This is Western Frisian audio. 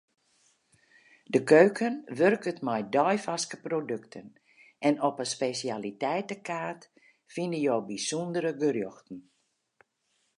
De keuken wurket mei deifarske produkten en op 'e spesjaliteitekaart fine jo bysûndere gerjochten.